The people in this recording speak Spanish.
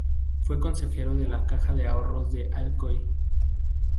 Fue consejero de la Caja de Ahorros de Alcoy.